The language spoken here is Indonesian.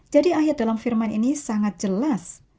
jadi ayat dalam firman ini sangat jelas